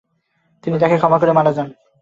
তিনি তাকে ক্ষমা করে মারা যান।